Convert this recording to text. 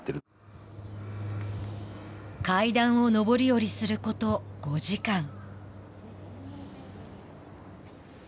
階段を上り下りすること５時間。